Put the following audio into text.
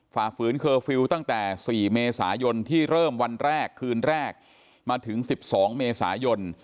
ฝ่าฝืนเคอร์ฟิลล์ตั้งแต่๔เมษายนที่เริ่มวันแรกคืนแรกมาถึง๑๒เมษายน